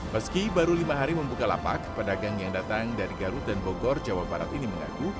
meski baru lima hari membuka lapak pedagang yang datang dari garut dan bogor jawa barat ini mengaku